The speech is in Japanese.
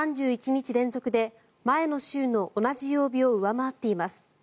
３１日連続で前の週の同じ曜日を上回っています。